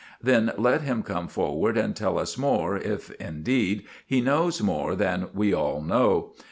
Then let him come forward and tell us more, if, indeed, he knows more than we all know.